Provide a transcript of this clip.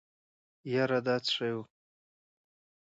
يره دا څه شی و.